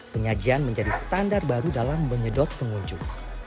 penyajian menjadi standar baru dalam menyedot pengunjung